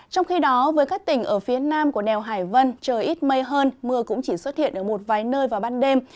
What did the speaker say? trong khi đó với các tỉnh ở phía nam của đèo hải vân trời ít mây hơn mưa cũng chỉ xuất hiện ở một vài nơi vào ban đêm